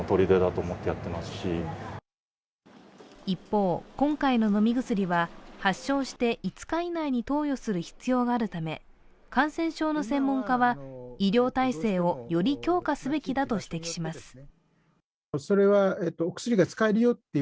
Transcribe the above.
一方、今回の飲み薬は発症して５日以内に投与する必要があるため感染症の専門家は、医療体制をより強化すべきだと指摘します。